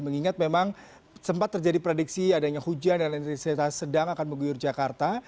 mengingat memang sempat terjadi prediksi adanya hujan dan intensitas sedang akan mengguyur jakarta